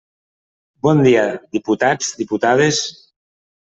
Bon dia, diputats, diputades.